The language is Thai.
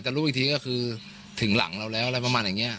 รู้อีกทีก็คือถึงหลังเราแล้วอะไรประมาณอย่างนี้